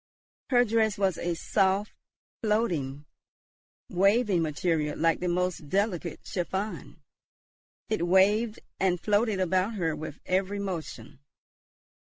Her dress was a soft, floating, waving material like the most delicate chiffon; it waved and floated about her with every motion.